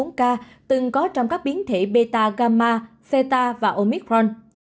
nhưng có trong các biến thể beta gamma theta và omicron